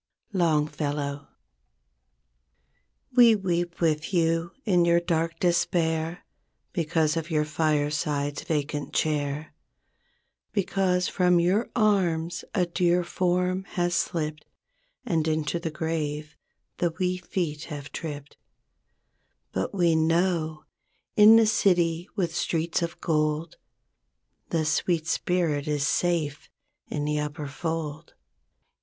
—Longfellow. We weep with you in your dark despair, Because of your fireside's vacant chair; Because from your arms a dear form has slipped, And into the grave, the wee feet have tripped; But we know, in the City with streets of gold. The sweet spirit is safe in the upper fold.